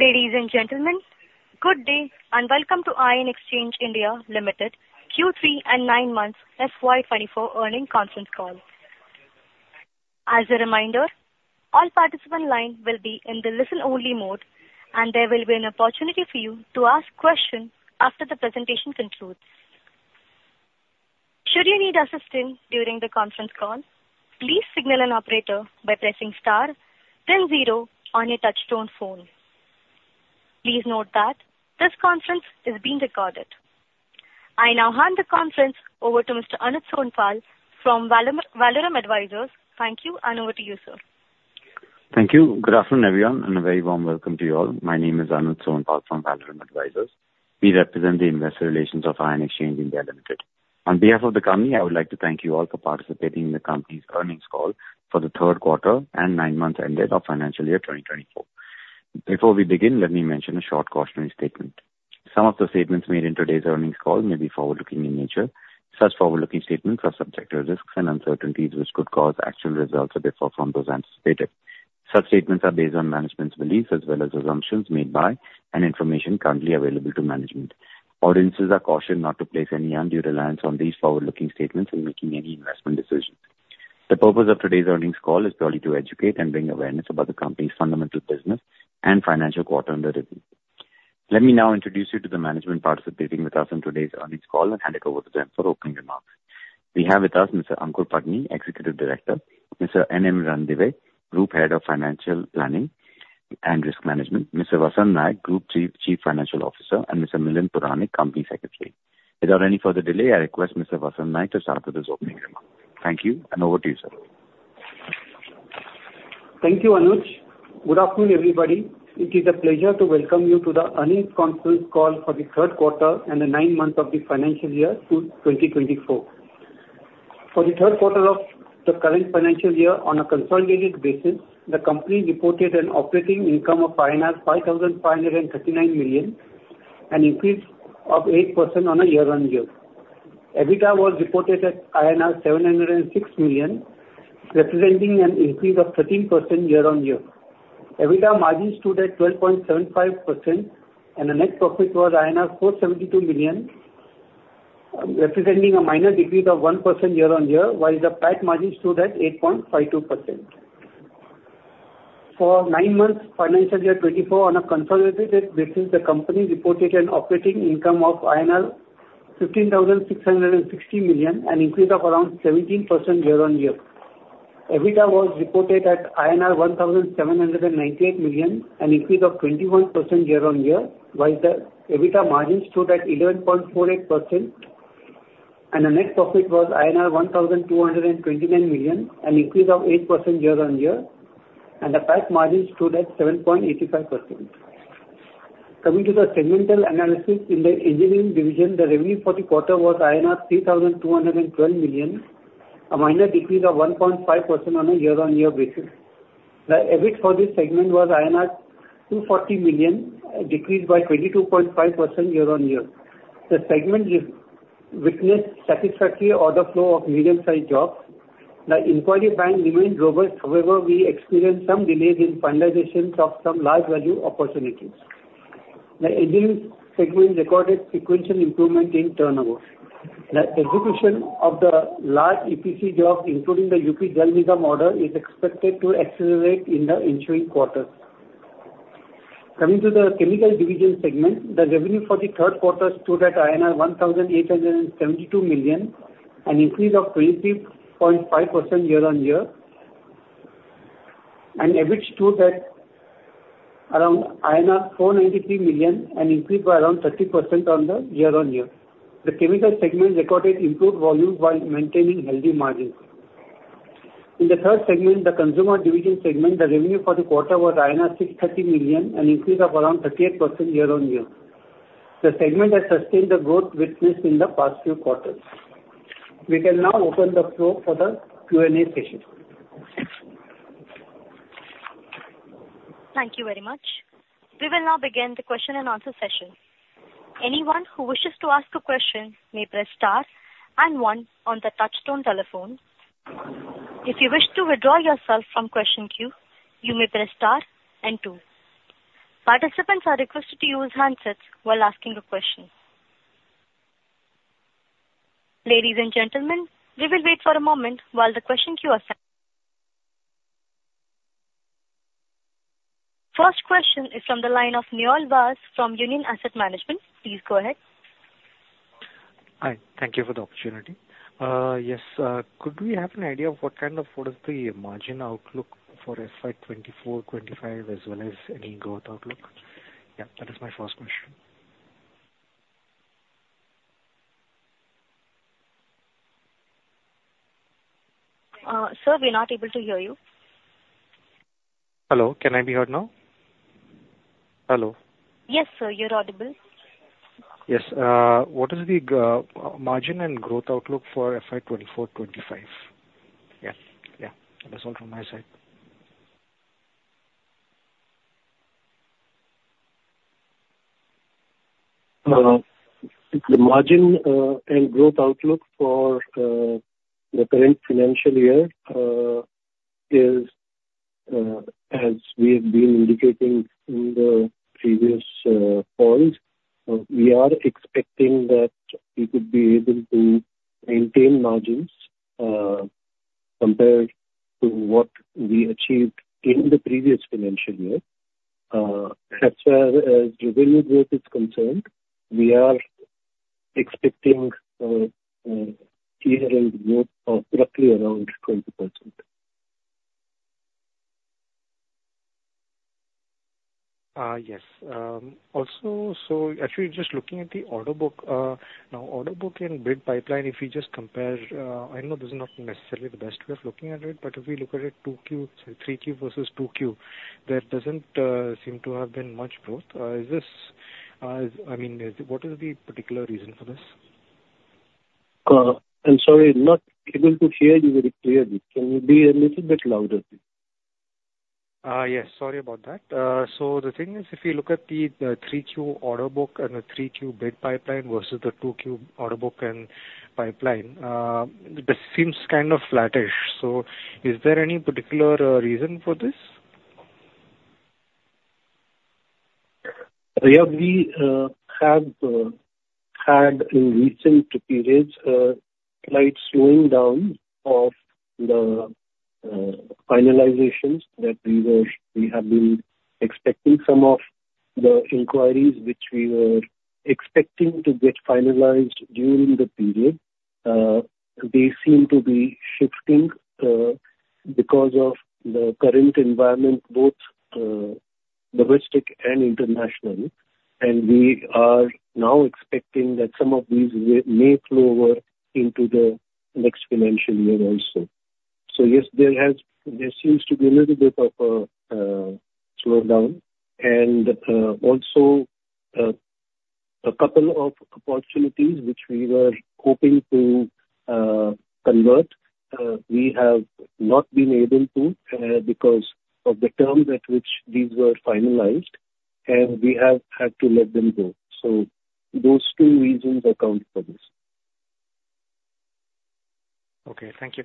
Ladies and gentlemen, good day and welcome to Ion Exchange (India) Limited Q3 and nine months FY 2024 earning conference call. As a reminder, all participant lines will be in the listen-only mode, and there will be an opportunity for you to ask questions after the presentation concludes. Should you need assistance during the conference call, please signal an operator by pressing star then zero on your touchtone phone. Please note that this conference is being recorded. I now hand the conference over to Mr. Anuj Sonpal from Valorem Advisors. Thank you, over to you, sir. Thank you. Good afternoon, everyone, and a very warm welcome to you all. My name is Anuj Sonpal from Valorem Advisors. We represent the investor relations of Ion Exchange (India) Limited. On behalf of the company, I would like to thank you all for participating in the company's earnings call for the third quarter and nine months ended of financial year 2024. Before we begin, let me mention a short cautionary statement. Some of the statements made in today's earnings call may be forward-looking in nature. Such forward-looking statements are subject to risks and uncertainties, which could cause actual results to differ from those anticipated. Such statements are based on management's beliefs as well as assumptions made by and information currently available to management. Audiences are cautioned not to place any undue reliance on these forward-looking statements when making any investment decisions. The purpose of today's earnings call is purely to educate and bring awareness about the company's fundamental business and financial quarter under review. Let me now introduce you to the management participating with us on today's earnings call and hand it over to them for opening remarks. We have with us Mr. Aankur Patni, Executive Director; Mr. N. M. Ranadive, Group Head of Financial Planning and Risk Management; Mr. Vasant Naik, Group Chief Financial Officer; and Mr. Milind Puranik, Company Secretary. Without any further delay, I request Mr. Vasant Naik to start with his opening remarks. Thank you, over to you, sir. Thank you, Anuj. Good afternoon, everybody. It is a pleasure to welcome you to the earnings conference call for the third quarter and the nine months of the financial year 2024. For the third quarter of the current financial year, on a consolidated basis, the company reported an operating income of 5,539 million, an increase of 8% year-on-year. EBITDA was reported at INR 706 million, representing an increase of 13% year-on-year. EBITDA margin stood at 12.75%, and the net profit was 472 million, representing a minor decrease of 1% year-on-year, while the PAT margin stood at 8.52%. For nine months FY 2024 on a consolidated basis, the company reported an operating income of INR 15,660 million, an increase of around 17% year-on-year. EBITDA was reported at INR 1,798 million, an increase of 21% year-on-year, while the EBITDA margin stood at 11.48%, and the net profit was INR 1,229 million, an increase of 8% year-on-year, and the PAT margin stood at 7.85%. Coming to the segmental analysis in the engineering division, the revenue for the quarter was INR 3,212 million, a minor decrease of 1.5% on a year-on-year basis. The EBIT for this segment was INR 240 million, a decrease by 22.5% year-on-year. The segment witnessed satisfactory order flow of medium-sized jobs. The inquiry bank remains robust. However, we experienced some delays in finalizations of some large value opportunities. The engineering segment recorded sequential improvement in turnover. The execution of the large EPC jobs, including the UP Jal Nigam order, is expected to accelerate in the ensuing quarters. Coming to the chemical division segment, the revenue for the third quarter stood at INR 1,872 million, an increase of 20.5% year-on-year, and EBIT stood at around 493 million, an increase by around 30% on the year-on-year. The chemical segment recorded improved volumes while maintaining healthy margins. In the third segment, the consumer division segment, the revenue for the quarter was 630 million, an increase of around 38% year-on-year. The segment has sustained the growth witnessed in the past few quarters. We can now open the floor for the Q&A session. Thank you very much. We will now begin the question and answer session. Anyone who wishes to ask a question may press star and one on the touchtone telephone. If you wish to withdraw yourself from question queue, you may press star and two. Participants are requested to use handsets while asking a question. Ladies and gentlemen, we will wait for a moment while the question queue is set. First question is from the line of Neeraj Vyas from Union Asset Management. Please go ahead. Hi. Thank you for the opportunity. Yes. Could we have an idea of what is the margin outlook for FY 2024, FY 2025 as well as any growth outlook? Yeah, that is my first question. sir, we're not able to hear you. Hello, can I be heard now? Hello. Yes, sir, you're audible. Yes. What is the margin and growth outlook for FY 2024, FY 2025? Yeah. Yeah. That is all from my side. The margin and growth outlook for the current financial year is as we have been indicating in the previous calls. We are expecting that we could be able to maintain margins compared to what we achieved in the previous financial year. As far as revenue growth is concerned, we are expecting a year-end growth of roughly around 20%. Yes. Actually just looking at the order book. Order book and bid pipeline, if we just compare, I know this is not necessarily the best way of looking at it, but if we look at it, 3Q versus 2Q, there doesn't seem to have been much growth. What is the particular reason for this? I'm sorry. Not able to hear you very clearly. Can you be a little bit louder, please? Yes. Sorry about that. The thing is, if you look at the 3Q order book and the 3Q bid pipeline versus the 2Q order book and pipeline, this seems kind of flattish. Is there any particular reason for this? We have had in recent periods a slight slowing down of the finalizations that we have been expecting. Some of the inquiries which we were expecting to get finalized during the period, they seem to be shifting because of the current environment, both domestic and international. We are now expecting that some of these may flow over into the next financial year also. Yes, there seems to be a little bit of a slowdown. Also, a couple of opportunities which we were hoping to convert, we have not been able to because of the terms at which these were finalized and we have had to let them go. Those two reasons account for this. Thank you.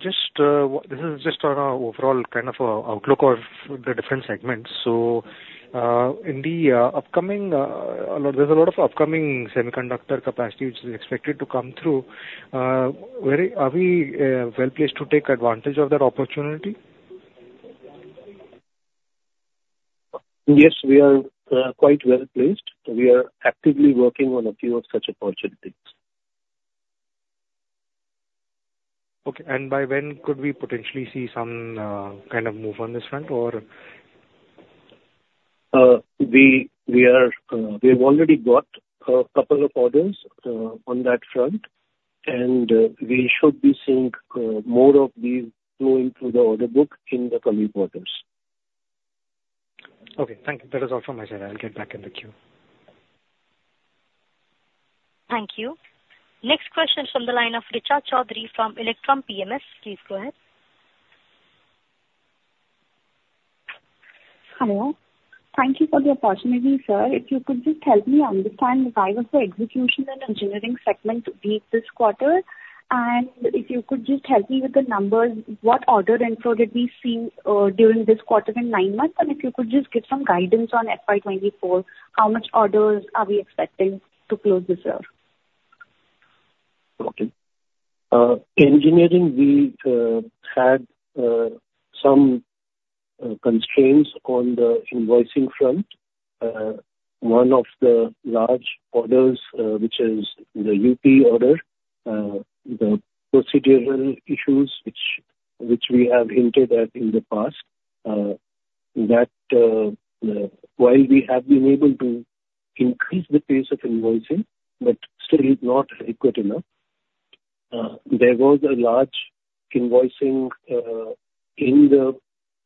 This is just on an overall kind of outlook of the different segments. There's a lot of upcoming semiconductor capacity which is expected to come through. Are we well-placed to take advantage of that opportunity? Yes, we are quite well-placed. We are actively working on a few of such opportunities. By when could we potentially see some kind of move on this front? We've already got a couple of orders on that front, and we should be seeing more of these flowing through the order book in the coming quarters. Okay. Thank you. That is all from my side. I'll get back in the queue. Thank you. Next question from the line of Richa Choudhary from Electrum PMS. Please go ahead. Hello. Thank you for the opportunity, sir. If you could just help me understand why was the execution and engineering segment weak this quarter? If you could just help me with the numbers, what order inflow did we see during this quarter and nine months? If you could just give some guidance on FY 2024, how much orders are we expecting to close this year? Okay. Engineering, we've had some constraints on the invoicing front. One of the large orders, which is the UP order, the procedural issues which we have hinted at in the past, that while we have been able to increase the pace of invoicing, still is not adequate enough. There was a large invoicing in the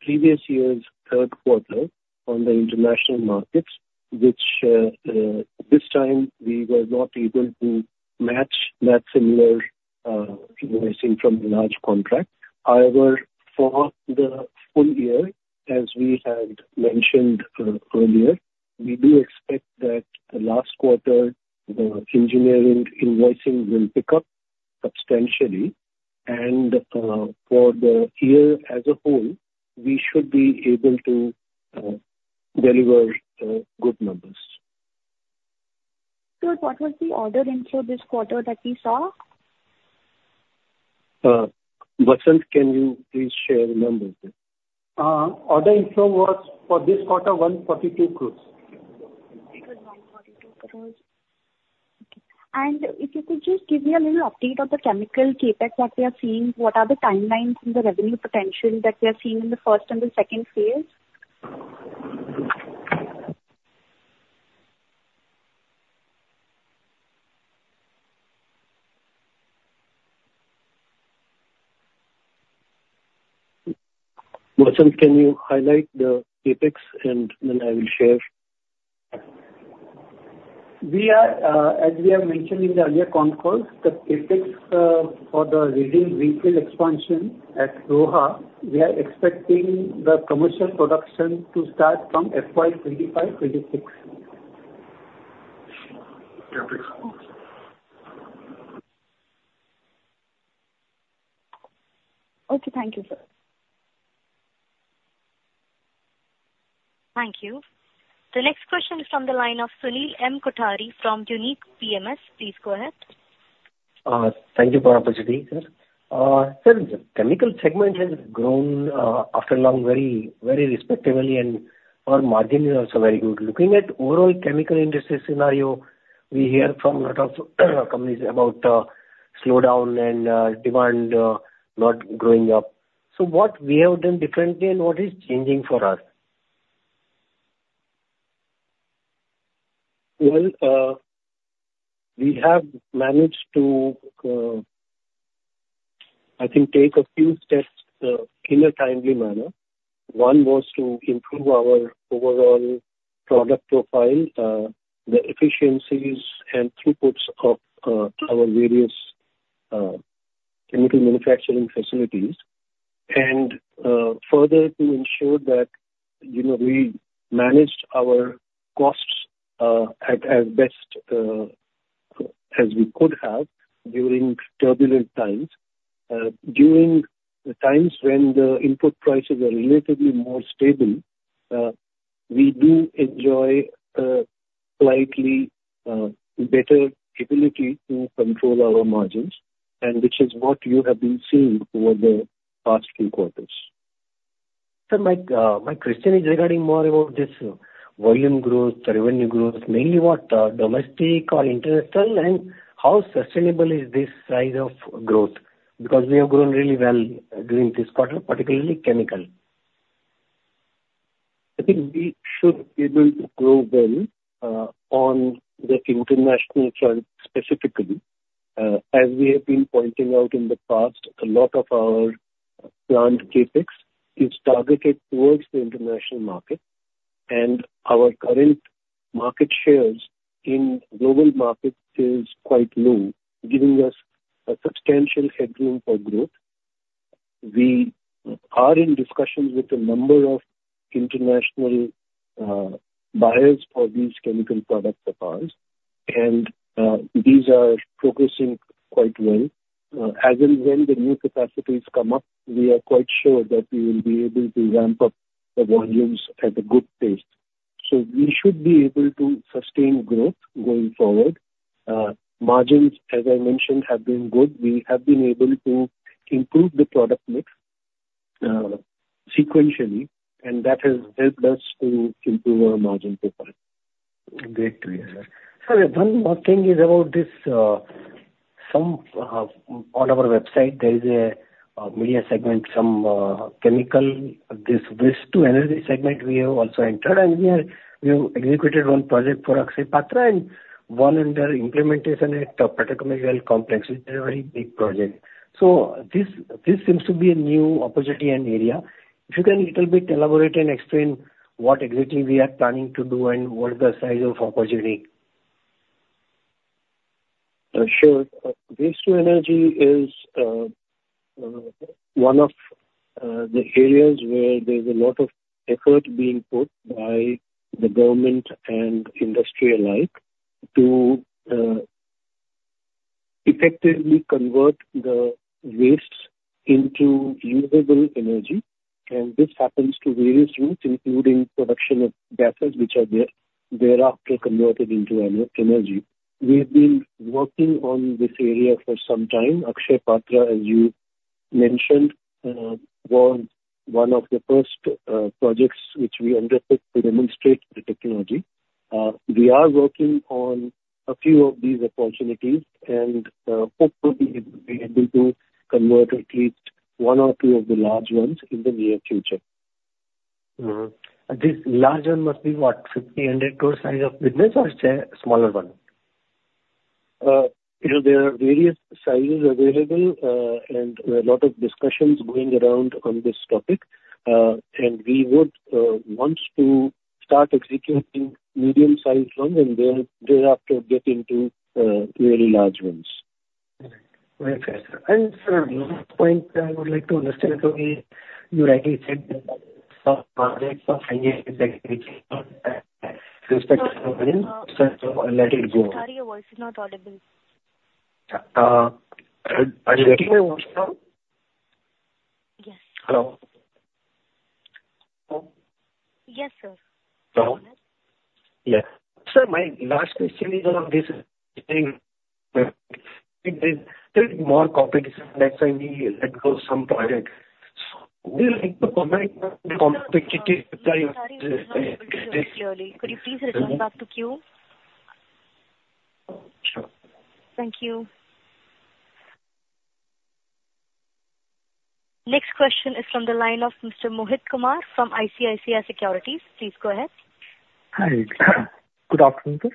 previous year's third quarter on the international markets, which this time we were not able to match that similar invoicing from the large contract. However, for the full year, as we had mentioned earlier, we do expect that the last quarter, the engineering invoicing will pick up substantially. For the year as a whole, we should be able to deliver good numbers. Sir, what was the order inflow this quarter that we saw? Vasant, can you please share the numbers there? Order inflow was for this quarter, 142 crores. It was 142 crores. Okay. If you could just give me a little update on the chemical CapEx that we are seeing. What are the timelines and the revenue potential that we are seeing in the first and the second phase? Vasant, can you highlight the CapEx, and then I will share? As we have mentioned in the earlier con calls, the CapEx for the resin refill expansion at Roha, we are expecting the commercial production to start from FY 2025, 2026. CapEx? Okay. Thank you, sir. Thank you. The next question is from the line of Sunil M Kothari from Unique PMS. Please go ahead. Thank you for the opportunity, sir. Sir, the chemical segment has grown after long very respectably. Our margin is also very good. Looking at overall chemical industry scenario, we hear from a lot of companies about slowdown and demand not growing up. What we have done differently and what is changing for us? Well, we have managed to, I think, take a few steps in a timely manner. One was to improve our overall product profile, the efficiencies and throughputs of our various chemical manufacturing facilities. Further to ensure that we managed our costs as best as we could have during turbulent times. During the times when the input prices are relatively more stable, we do enjoy a slightly better ability to control our margins. Which is what you have been seeing over the past few quarters. Sir, my question is regarding more about this volume growth, the revenue growth, mainly what? Domestic or international. How sustainable is this size of growth? We have grown really well during this quarter, particularly chemical. I think we should be able to grow well on the international front specifically. As we have been pointing out in the past, a lot of our plant CapEx is targeted towards the international market, and our current market shares in global markets is quite low, giving us a substantial headroom for growth. We are in discussions with a number of international buyers for these chemical products of ours, and these are progressing quite well. As and when the new capacities come up, we are quite sure that we will be able to ramp up the volumes at a good pace. We should be able to sustain growth going forward. Margins, as I mentioned, have been good. We have been able to improve the product mix sequentially, and that has helped us to improve our margin profile. Great to hear that. Sir, one more thing is about this. On our website, there is a media segment from chemical, this waste to energy segment we have also entered, and we have executed one project for Akshaya Patra and one under implementation at Patra Complex. It's a very big project. This seems to be a new opportunity and area. If you can little bit elaborate and explain what exactly we are planning to do and what the size of opportunity? Sure. Waste to energy is one of the areas where there's a lot of effort being put by the government and industry alike to effectively convert the waste into usable energy. This happens through various routes, including production of gases which are thereafter converted into energy. We've been working on this area for some time. Akshaya Patra, as you mentioned, was one of the first projects which we undertook to demonstrate the technology. We are working on a few of these opportunities and hope we'll be able to convert at least one or two of the large ones in the near future. Mm-hmm. This large one must be what? 1,500 crore size of business or is there a smaller one? There are various sizes available, and a lot of discussions going around on this topic. We would want to start executing medium-sized ones and thereafter get into really large ones. Very fair, sir. Sir, another point I would like to understand because you rightly said that some projects are high-end in technology respect to the margin, so let it go. Sir, your voice is not audible. Is my voice clear? Yes. Hello. Hello. Yes, sir. Hello. Yes. Sir, my last question is on this same there is more competition that's why we let go some project. Would you like to comment on the competitive side of this? Sir, we are not able to hear you clearly. Could you please return back to queue? Sure. Thank you. Next question is from the line of Mr. Mohit Kumar from ICICI Securities. Please go ahead. Hi. Good afternoon, sir.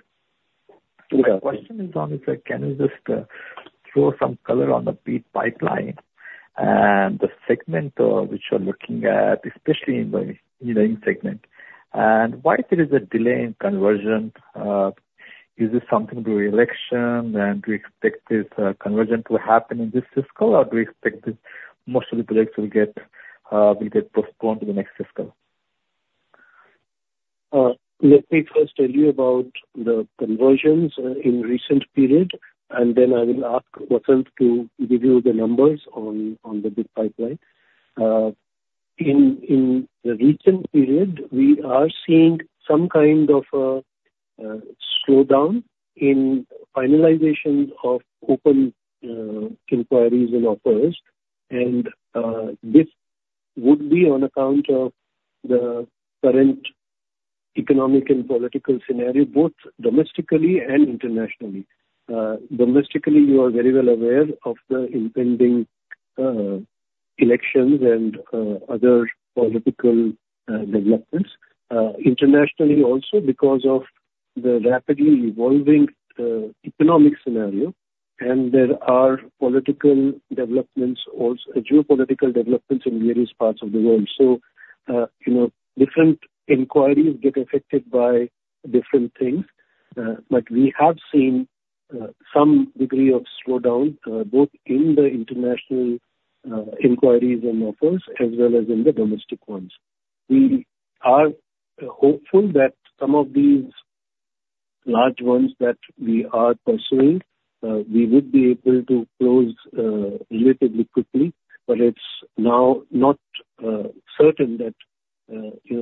Good afternoon. My question is on, if I can you just throw some color on the bid pipeline and the segment which you're looking at, especially in the engineering segment. Why is there a delay in conversion? Is it something to do with election and do you expect this conversion to happen in this fiscal, or do you expect that most of the projects will get postponed to the next fiscal? Let me first tell you about the conversions in recent period. Then I will ask Vasant to give you the numbers on the big pipeline. In the recent period, we are seeing some kind of a slowdown in finalization of open inquiries and offers. This would be on account of the current economic and political scenario, both domestically and internationally. Domestically, you are very well aware of the impending elections and other political developments. Internationally also, because of the rapidly evolving economic scenario, and there are geopolitical developments in various parts of the world. Different inquiries get affected by different things. We have seen some degree of slowdown, both in the international inquiries and offers as well as in the domestic ones. We are hopeful that some of these large ones that we are pursuing, we would be able to close relatively quickly. It's now not certain that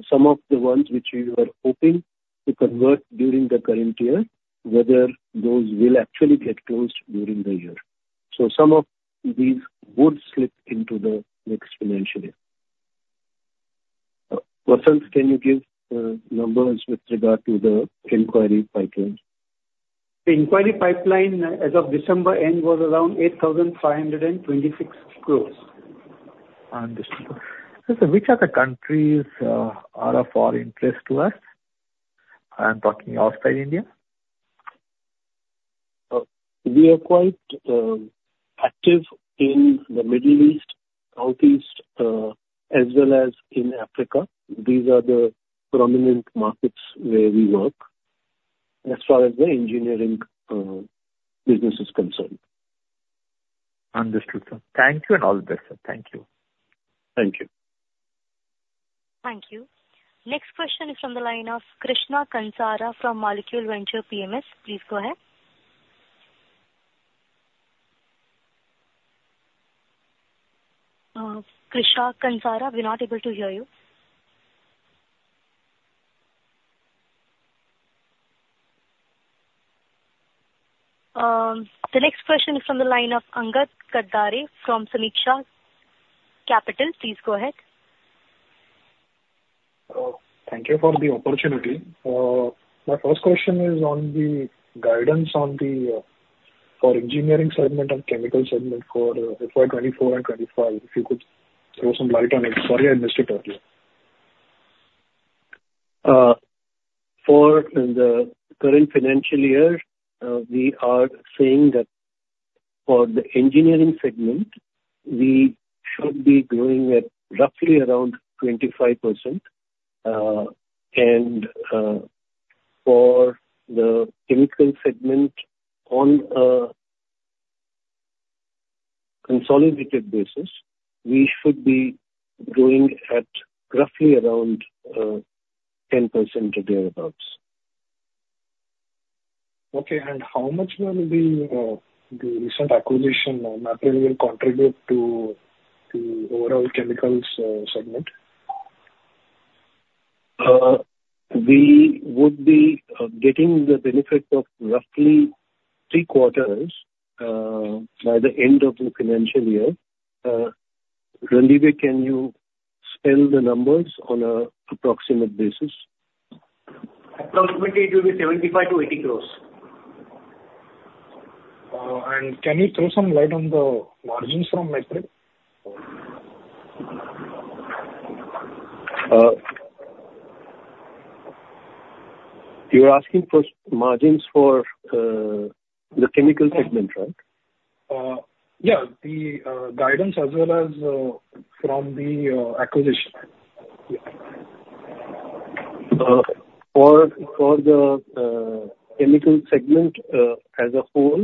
some of the ones which we were hoping to convert during the current year, whether those will actually get closed during the year. Some of these would slip into the next financial year. Vasant, can you give the numbers with regard to the inquiry pipeline? The inquiry pipeline as of December end was around 8,526 crores. Understood. Sir, which are the countries are of our interest to us? I'm talking outside India. We are quite active in the Middle East, Southeast, as well as in Africa. These are the prominent markets where we work, as far as the engineering business is concerned. Understood, sir. Thank you and all the best, sir. Thank you. Thank you. Thank you. Next question is from the line of Krisha Kansara from Molecule Venture PMS. Please go ahead. Krisha Kansara, we are not able to hear you. The next question is from the line of Angad Kadade from Samiksha Capital. Please go ahead. Thank you for the opportunity. My first question is on for engineering segment and chemical segment for FY 2024 and 2025, if you could throw some light on it. Sorry, I missed it earlier. For the current financial year, we are saying that for the engineering segment, we should be growing at roughly around 25%. For the chemical segment on a consolidated basis, we should be growing at roughly around 10% or thereabouts. Okay. How much more will the recent acquisition, Maprel, will contribute to overall chemicals segment? We would be getting the benefit of roughly three quarters, by the end of the financial year. Randhir, can you spell the numbers on an approximate basis? Approximately it will be 75 crores-80 crores. Can you throw some light on the margins from Maprel? You're asking for margins for the chemical segment, right? Yeah. The guidance as well as from the acquisition. For the chemical segment as a whole,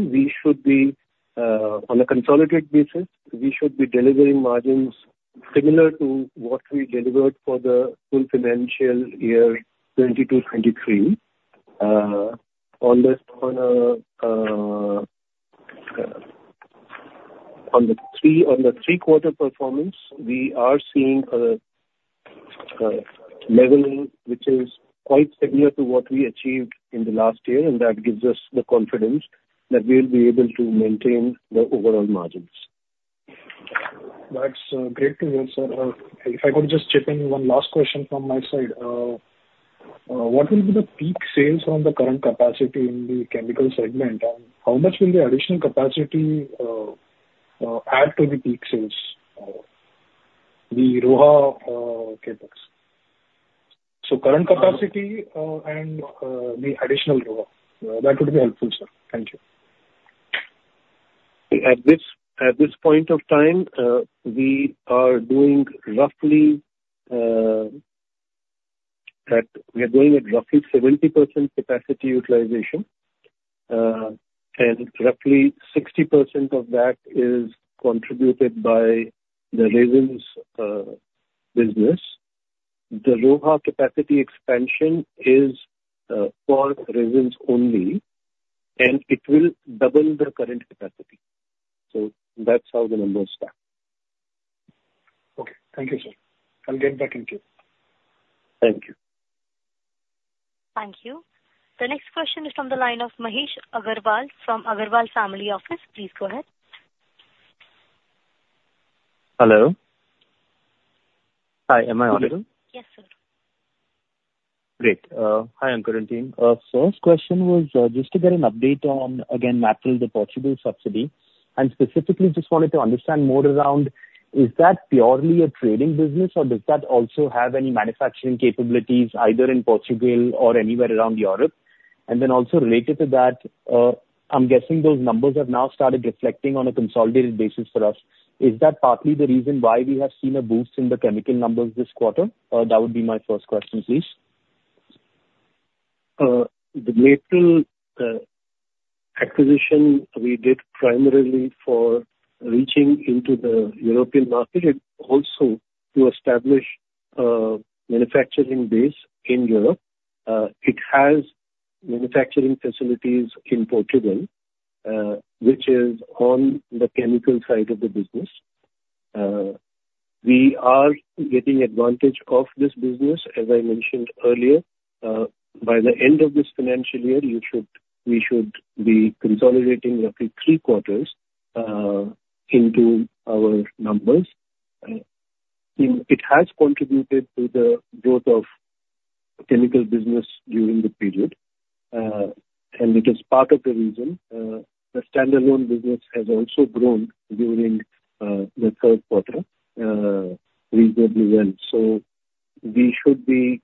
on a consolidated basis, we should be delivering margins similar to what we delivered for the full financial year 2022, 2023. On the three-quarter performance, we are seeing a leveling, which is quite similar to what we achieved in the last year, and that gives us the confidence that we'll be able to maintain the overall margins. That's great to hear, sir. If I could just chip in one last question from my side. What will be the peak sales on the current capacity in the chemical segment, and how much will the additional capacity add to the peak sales? The Roha CapEx. Current capacity and the additional Roha. That would be helpful, sir. Thank you. At this point of time, we are doing at roughly 70% capacity utilization. Roughly 60% of that is contributed by the resins business. The Roha capacity expansion is for resins only, and it will double the current capacity. That's how the numbers stack. Okay. Thank you, sir. I'll get back in queue. Thank you. Thank you. The next question is from the line of Mahesh Agarwal from Agarwal Family Office. Please go ahead. Hello? Hi, am I audible? Yes, sir. Great. Hi, Ankur and team. First question was just to get an update on, again, Mapril, the Portugal subsidiary, and specifically just wanted to understand more around is that purely a trading business or does that also have any manufacturing capabilities either in Portugal or anywhere around Europe? Also related to that, I'm guessing those numbers have now started reflecting on a consolidated basis for us. Is that partly the reason why we have seen a boost in the chemical numbers this quarter? That would be my first question, please. The Mapril acquisition we did primarily for reaching into the European market and also to establish a manufacturing base in Europe. It has manufacturing facilities in Portugal, which is on the chemical side of the business. We are getting advantage of this business. As I mentioned earlier, by the end of this financial year we should be consolidating roughly three quarters into our numbers. It has contributed to the growth of chemical business during the period. It is part of the reason the standalone business has also grown during the third quarter reasonably well. We should be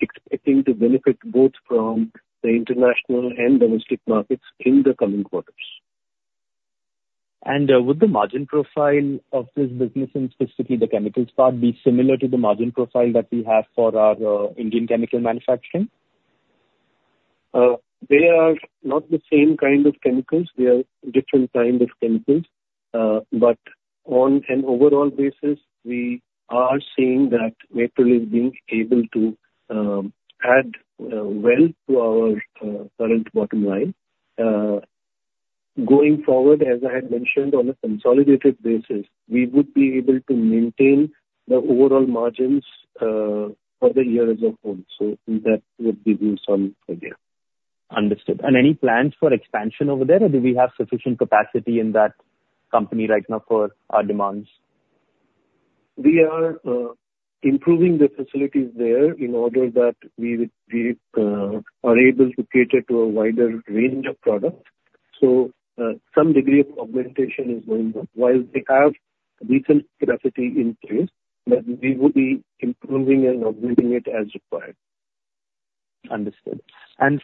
expecting to benefit both from the international and domestic markets in the coming quarters. Would the margin profile of this business, and specifically the chemicals part, be similar to the margin profile that we have for our Indian chemical manufacturing? They are not the same kind of chemicals. They are different kind of chemicals. On an overall basis, we are seeing that Mapril is being able to add wealth to our current bottom line. Going forward, as I had mentioned, on a consolidated basis, we would be able to maintain the overall margins for the year as a whole. That would be the story there. Understood. Any plans for expansion over there, or do we have sufficient capacity in that company right now for our demands? We are improving the facilities there in order that we are able to cater to a wider range of products. Some degree of augmentation is going on. While they have decent capacity in place, but we will be improving and augmenting it as required. Understood.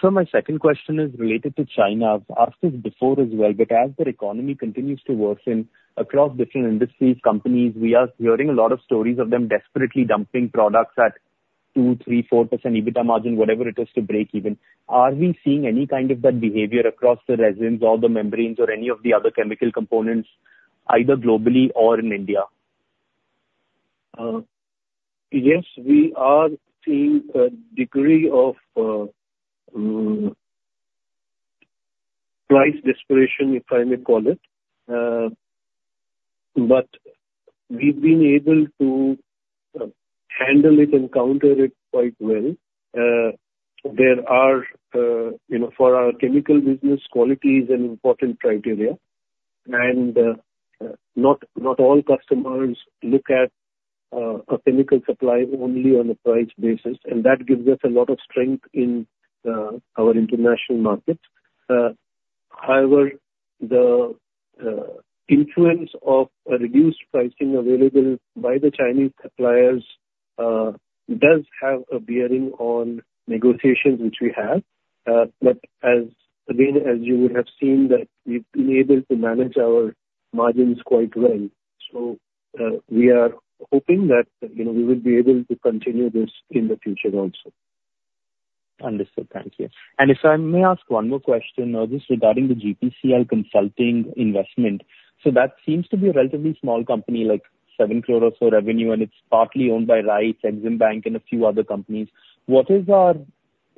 Sir, my second question is related to China. I've asked this before as well, but as their economy continues to worsen across different industries, companies, we are hearing a lot of stories of them desperately dumping products at 2%, 3%, 4% EBITDA margin, whatever it is to break even. Are we seeing any kind of that behavior across the resins or the membranes or any of the other chemical components, either globally or in India? Yes, we are seeing a degree of price desperation, if I may call it. We've been able to handle it and counter it quite well. For our chemical business, quality is an important criteria, and not all customers look at a chemical supply only on a price basis, and that gives us a lot of strength in our international markets. However, the influence of a reduced pricing available by the Chinese suppliers does have a bearing on negotiations, which we have. As, again, as you would have seen that we've been able to manage our margins quite well. We are hoping that we will be able to continue this in the future also. Understood. Thank you. If I may ask one more question, this regarding the GPCL consulting investment. That seems to be a relatively small company, like 7 crore or so revenue, and it's partly owned by RIISE, Exim Bank, and a few other companies. What is our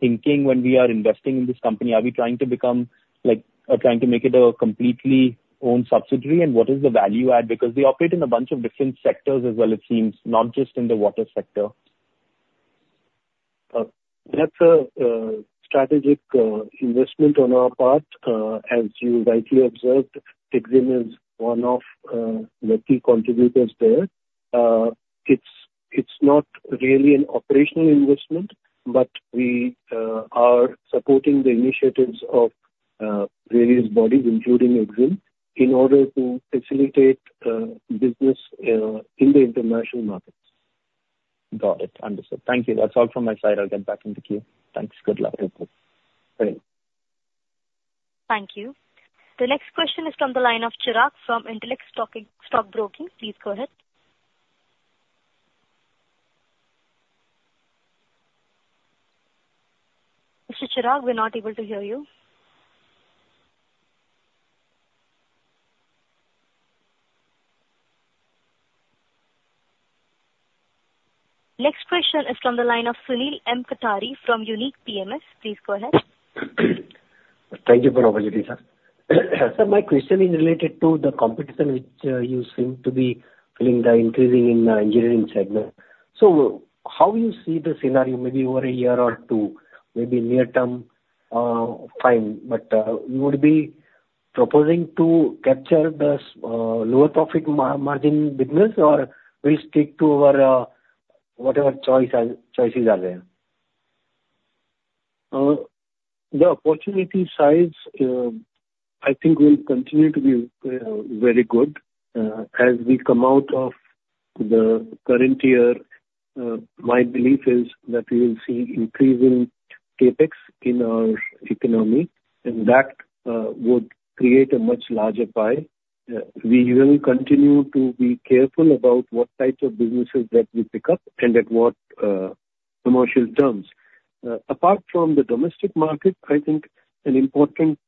thinking when we are investing in this company? Are we trying to make it a completely owned subsidiary? What is the value add? Because they operate in a bunch of different sectors as well it seems, not just in the water sector. That's a strategic investment on our part. As you rightly observed, Exim is one of the key contributors there. It's not really an operational investment, but we are supporting the initiatives of various bodies, including Exim, in order to facilitate business in the international markets. Got it. Understood. Thank you. That's all from my side. I'll get back in the queue. Thanks. Good luck. Thank you. Thank you. The next question is from the line of Chirag from Intellect Stockbroking. Please go ahead. Mr. Chirag, we're not able to hear you. Next question is from the line of Sunil M. Kothari from Unique PMS. Please go ahead. Thank you for the opportunity, sir. Sir, my question is related to the competition which you seem to be feeling the increasing in the engineering segment. How you see the scenario maybe over a year or two, maybe near term, fine, but you would be proposing to capture the lower profit margin business or we'll stick to our whatever choices are there. The opportunity size, I think will continue to be very good. As we come out of the current year, my belief is that we will see increasing CapEx in our economy and that would create a much larger pie. We will continue to be careful about what types of businesses that we pick up and at what commercial terms. Apart from the domestic market, I think an important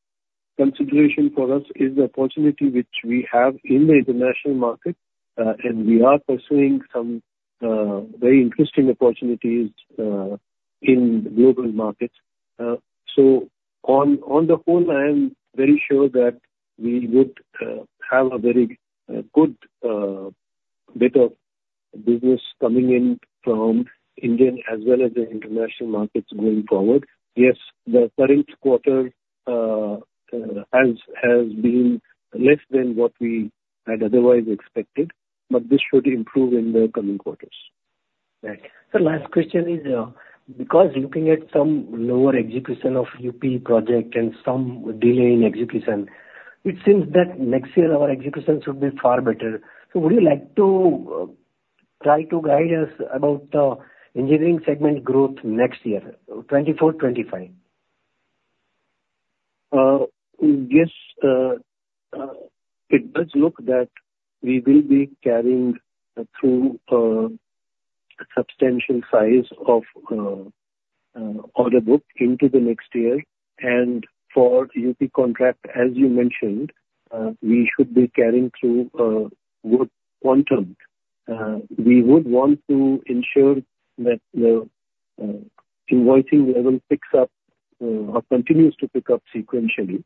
consideration for us is the opportunity which we have in the international market, and we are pursuing some very interesting opportunities in global markets. On the whole, I am very sure that we would have a very good bit of business coming in from Indian as well as the international markets going forward. Yes, the current quarter has been less than what we had otherwise expected, but this should improve in the coming quarters. Right. Sir, last question is, because looking at some lower execution of UP project and some delay in execution, it seems that next year our execution should be far better. Would you like to try to guide us about the engineering segment growth next year, 2024, 2025? Yes. It does look that we will be carrying through a substantial size of order book into the next year. For UP contract, as you mentioned, we should be carrying through a good quantum. We would want to ensure that the invoicing level picks up or continues to pick up sequentially.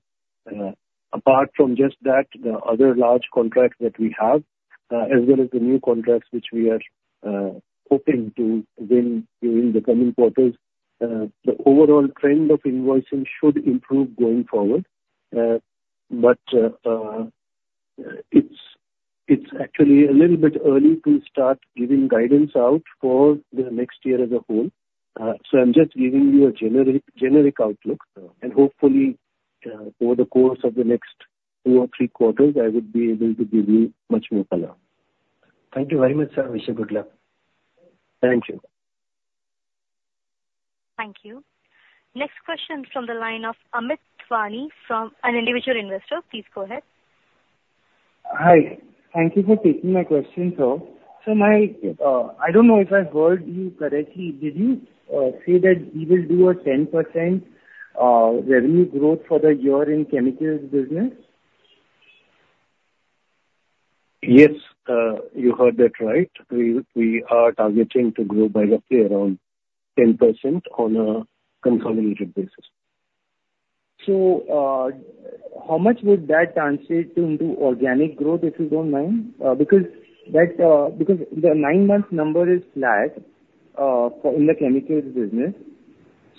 Apart from just that, the other large contracts that we have, as well as the new contracts, which we are hoping to win during the coming quarters, the overall trend of invoicing should improve going forward. It's actually a little bit early to start giving guidance out for the next year as a whole. I'm just giving you a generic outlook and hopefully, over the course of the next two or three quarters, I would be able to give you much more color. Thank you very much, sir. Wish you good luck. Thank you. Thank you. Next question from the line of Amit Thawani from an individual investor. Please go ahead. Hi. Thank you for taking my question, sir. Sir, I don't know if I heard you correctly. Did you say that we will do a 10% revenue growth for the year in chemicals business? Yes, you heard that right. We are targeting to grow by roughly around 10% on a consolidated basis. How much would that translate into organic growth, if you don't mind? Because the nine-month number is flat in the chemicals business.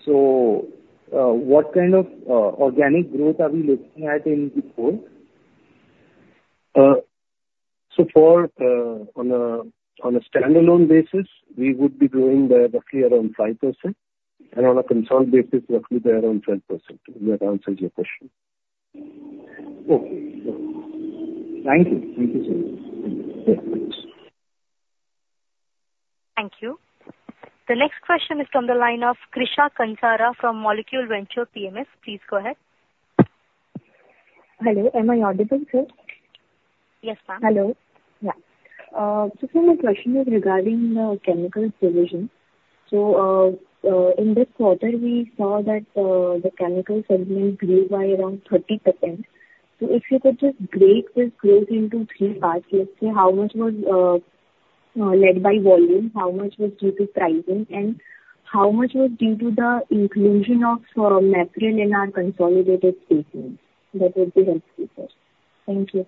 What kind of organic growth are we looking at in Q4? So far, on a standalone basis, we would be growing by roughly around 5%, and on a consolidated basis, roughly around 10%, if that answers your question. Okay. Thank you, sir. Thank you. The next question is from the line of Krisha Kansara from Molecule Venture PMS. Please go ahead. Hello, am I audible, sir? Yes, ma'am. Hello. Sir, my question is regarding the chemicals division. In this quarter, we saw that the chemical segment grew by around 30%. If you could just break this growth into 3 parts, let's say, how much was led by volume, how much was due to pricing, and how much was due to the inclusion of Mapril in our consolidated statement? That would be helpful, sir. Thank you.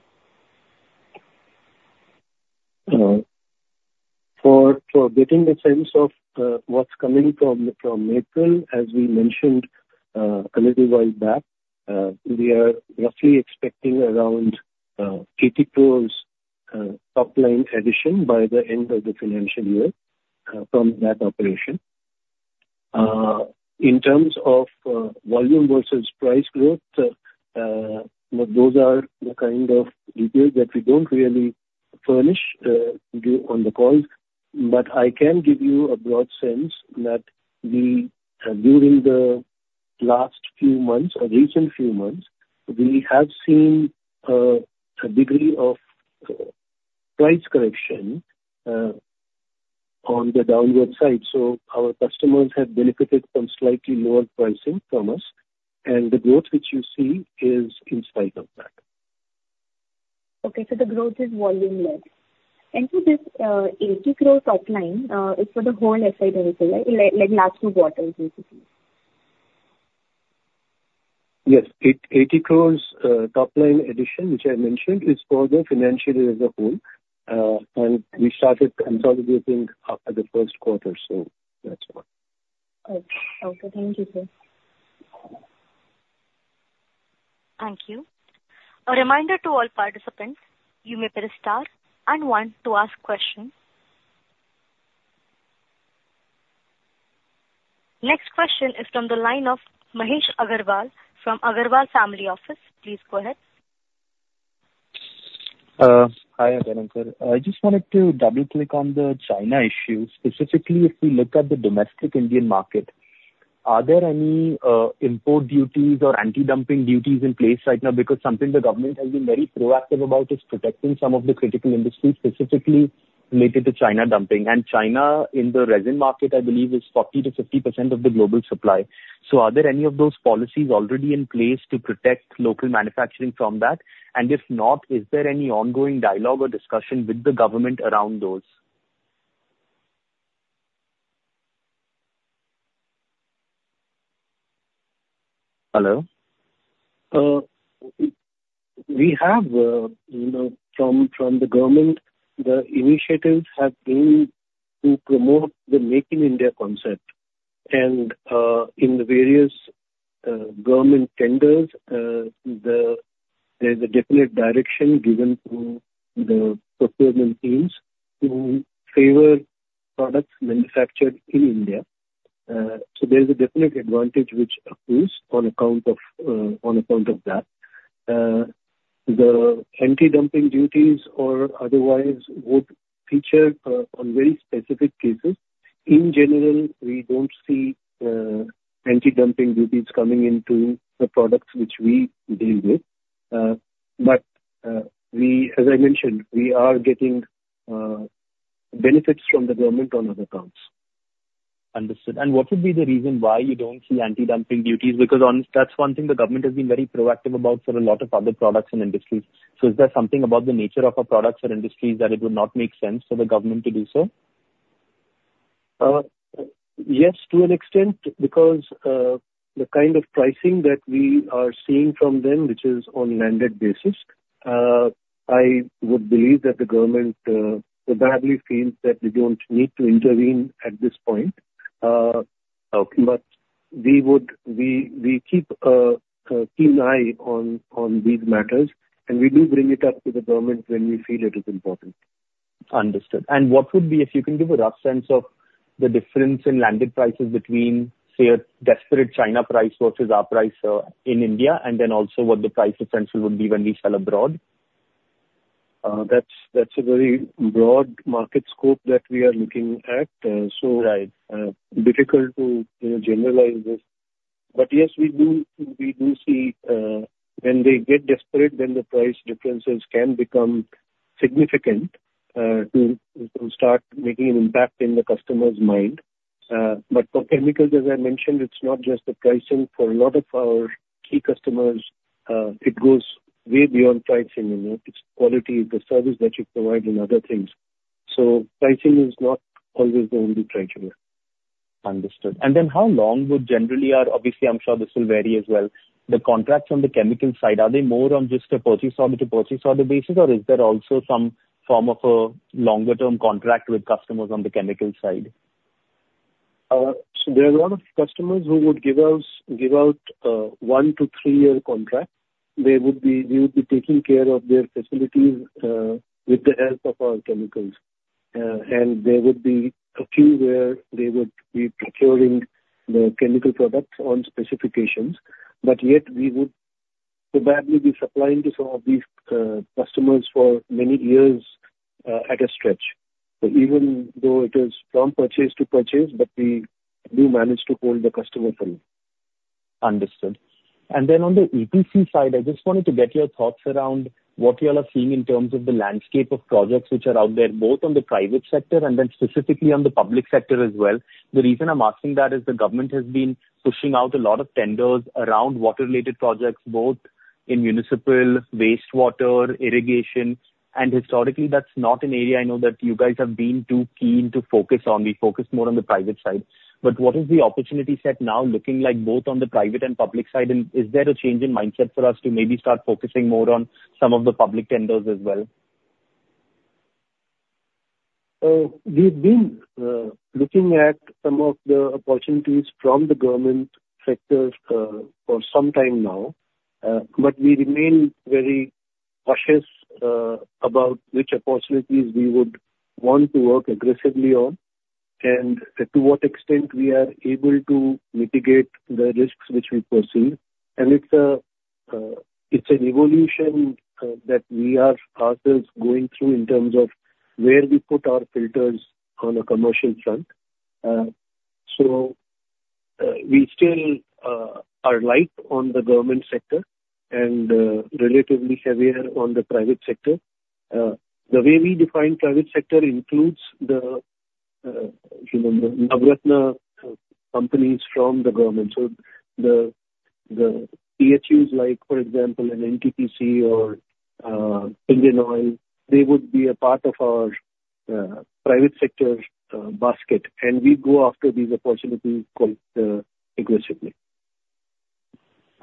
For getting the sense of what is coming from Mapril, as we mentioned a little while back, we are roughly expecting around 80 crore topline addition by the end of the financial year from that operation. In terms of volume versus price growth, those are the kind of details that we do not really furnish on the calls. I can give you a broad sense that during the last few months or recent few months, we have seen a degree of price correction on the downward side. Our customers have benefited from slightly lower pricing from us, and the growth which you see is in spite of that. Okay. The growth is volume led. This 80 crore topline is for the whole FY division, right? Like last two quarters, basically. Yes. 80 crore topline addition, which I mentioned is for the financial year as a whole. We started consolidating at the first quarter, that's why. Okay. Thank you, sir. Thank you. A reminder to all participants, you may press star and one to ask questions. Next question is from the line of Mahesh Agarwal from Agarwal Family Office. Please go ahead. Hi, Adanankar. I just wanted to double-click on the China issue. Specifically, if we look at the domestic Indian market, are there any import duties or anti-dumping duties in place right now? Something the government has been very proactive about is protecting some of the critical industries, specifically related to China dumping. China in the resin market, I believe, is 40%-50% of the global supply. Are there any of those policies already in place to protect local manufacturing from that? If not, is there any ongoing dialogue or discussion with the government around those? Hello. We have, from the government, the initiatives have been to promote the Make in India concept. In the various government tenders, there's a definite direction given to the procurement teams to favor products manufactured in India. There's a definite advantage which accrues on account of that. The anti-dumping duties or otherwise would feature on very specific cases. In general, we don't see anti-dumping duties coming into the products which we deal with. As I mentioned, we are getting benefits from the government on other accounts. Understood. What would be the reason why you don't see anti-dumping duties? That's one thing the government has been very proactive about for a lot of other products and industries. Is there something about the nature of our products or industries that it would not make sense for the government to do so? Yes, to an extent, because the kind of pricing that we are seeing from them, which is on landed basis, I would believe that the government probably feels that they don't need to intervene at this point. Okay. We keep a keen eye on these matters, and we do bring it up to the government when we feel it is important. Understood. If you can give a rough sense of the difference in landed prices between, say, a desperate China price versus our price in India, and then also what the price essentially would be when we sell abroad. That's a very broad market scope that we are looking at. Right. Difficult to generalize this. Yes, we do see when they get desperate, then the price differences can become significant to start making an impact in the customer's mind. For chemicals, as I mentioned, it's not just the pricing. For a lot of our key customers, it goes way beyond pricing. It's quality, the service that you provide and other things. Pricing is not always the only criteria. Understood. How long would generally, obviously, I'm sure this will vary as well, the contracts on the chemical side, are they more on just a purchase order to purchase order basis, or is there also some form of a longer-term contract with customers on the chemical side? There are a lot of customers who would give out 1 to 3-year contract. We would be taking care of their facilities with the help of our chemicals. There would be a few where they would be procuring the chemical products on specifications. Yet we would probably be supplying to some of these customers for many years at a stretch. Even though it is from purchase to purchase, we do manage to hold the customer pool. Understood. On the EPC side, I just wanted to get your thoughts around what you all are seeing in terms of the landscape of projects which are out there, both on the private sector and then specifically on the public sector as well. The reason I'm asking that is the government has been pushing out a lot of tenders around water-related projects, both in municipal wastewater, irrigation. Historically, that's not an area I know that you guys have been too keen to focus on. We focus more on the private side. What is the opportunity set now looking like both on the private and public side, and is there a change in mindset for us to maybe start focusing more on some of the public tenders as well? We've been looking at some of the opportunities from the government sectors for some time now. We remain very cautious about which opportunities we would want to work aggressively on and to what extent we are able to mitigate the risks which we perceive. It's an evolution that we are ourselves going through in terms of where we put our filters on a commercial front. We still are light on the government sector and relatively heavier on the private sector. The way we define private sector includes the Navratna companies from the government. The PSUs, like, for example, an NTPC or Indian Oil, they would be a part of our private sector basket, and we go after these opportunities quite aggressively.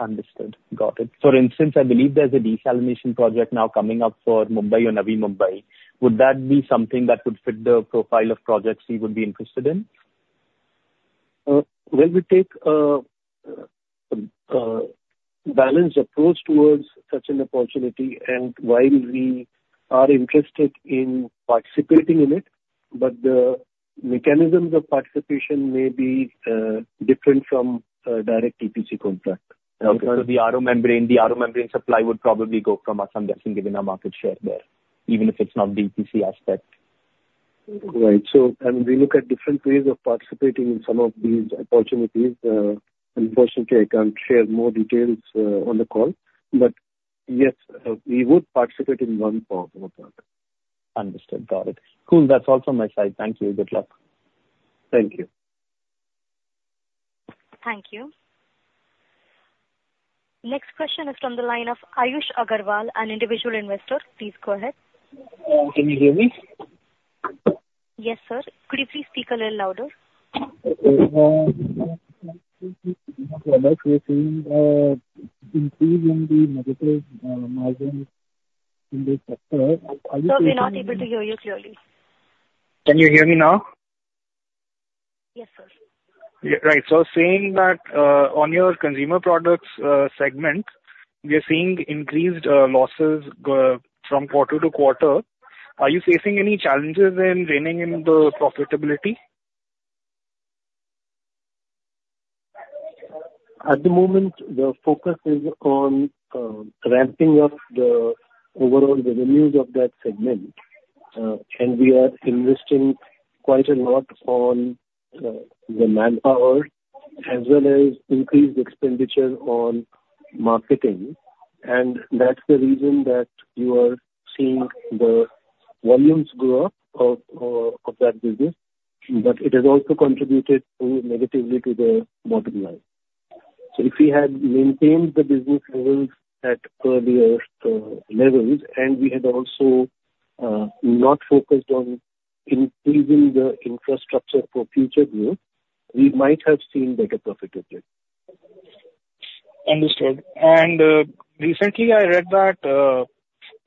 Understood. Got it. For instance, I believe there's a desalination project now coming up for Mumbai or Navi Mumbai. Would that be something that would fit the profile of projects you would be interested in? Well, we take a balanced approach towards such an opportunity, and while we are interested in participating in it, but the mechanisms of participation may be different from a direct EPC contract. Okay. The RO membrane supply would probably go from Assam, that's been given a market share there, even if it's not the EPC aspect. Right. We look at different ways of participating in some of these opportunities. Unfortunately, I can't share more details on the call. Yes, we would participate in one form or another. Understood. Got it. Cool. That's all from my side. Thank you. Good luck. Thank you. Thank you. Next question is from the line of Ayush Aggarwal, an individual investor. Please go ahead. Can you hear me? Yes, sir. Could you please speak a little louder? We are seeing an increase in the negative margins in this sector. Sir, we're not able to hear you clearly. Can you hear me now? Yes, sir. Right. Saying that on your consumer products segment, we are seeing increased losses from quarter-to-quarter. Are you facing any challenges in reigning in the profitability? At the moment, the focus is on ramping up the overall revenues of that segment. We are investing quite a lot on the manpower, as well as increased expenditure on marketing. That's the reason that you are seeing the volumes grow of that business, but it has also contributed negatively to the bottom line. If we had maintained the business levels at earlier levels, and we had also not focused on improving the infrastructure for future growth, we might have seen better profitability. Understood. Recently I read that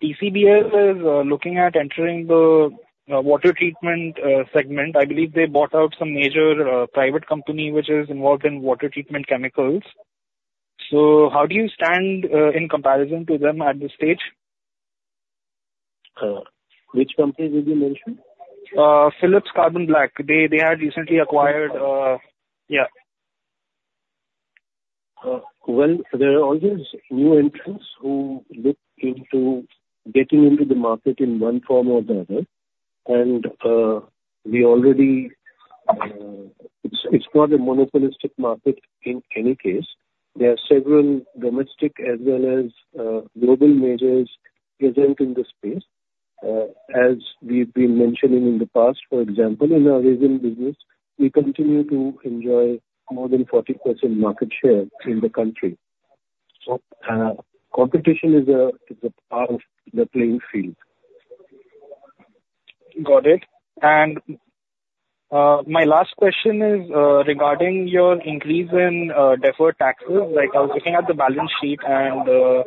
TCBS is looking at entering the water treatment segment. I believe they bought out some major private company which is involved in water treatment chemicals. How do you stand in comparison to them at this stage? Which company did you mention? Phillips Carbon Black. They had recently acquired. Yeah. Well, there are always new entrants who look into getting into the market in one form or the other. It's not a monopolistic market in any case. There are several domestic as well as global majors present in the space. As we've been mentioning in the past, for example, in our resin business, we continue to enjoy more than 40% market share in the country. Competition is a part of the playing field. Got it. My last question is regarding your increase in deferred taxes. I was looking at the balance sheet, and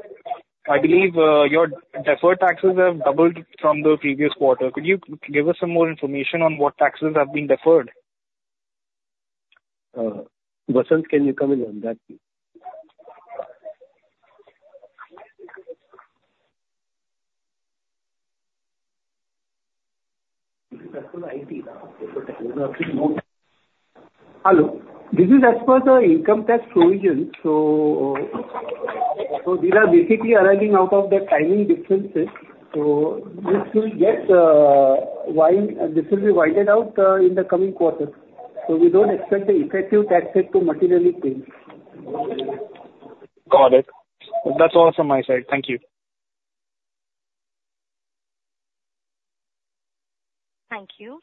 I believe your deferred taxes have doubled from the previous quarter. Could you give us some more information on what taxes have been deferred? Vasant, can you come in on that? This is as per the income tax provision. These are basically arising out of the timing differences. This will be widened out in the coming quarters. We don't expect the effective tax rate to materially change. Got it. That's all from my side. Thank you. Thank you.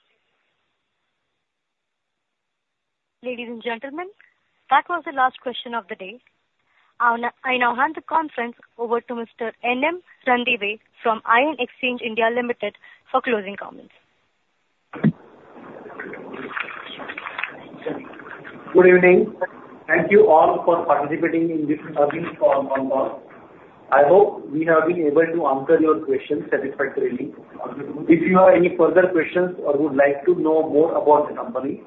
Ladies and gentlemen, that was the last question of the day. I now hand the conference over to Mr. N.M. Ranadive from Ion Exchange (India) Limited for closing comments. Good evening. Thank you all for participating in this earnings call. I hope we have been able to answer your questions satisfactorily. If you have any further questions or would like to know more about the company,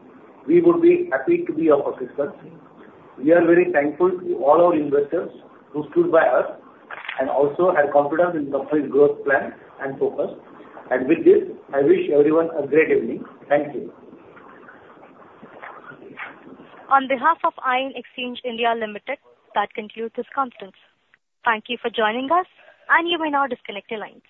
we would be happy to be of assistance. We are very thankful to all our investors who stood by us, and also had confidence in the company's growth plan and focus. With this, I wish everyone a great evening. Thank you. On behalf of Ion Exchange (India) Limited, that concludes this conference. Thank you for joining us, and you may now disconnect your lines.